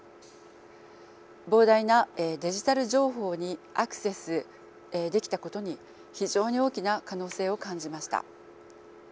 膨大なデジタル情報にアクセスできたことに非常に大きな可能性を感じました。